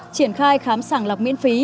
triển khai khám sàng lọc miễn phí